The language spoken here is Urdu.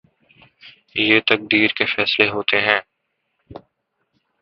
یہ تقدیر کے فیصلے ہوتے ہیں۔